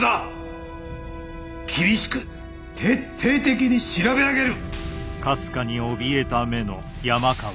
厳しく徹底的に調べ上げる！